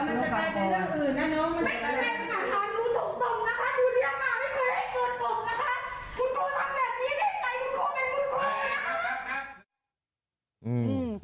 ดูสิบหกคนคุณครูทำแบบนี้ได้ใจคุณครูเป็นคุณครูไหมคะ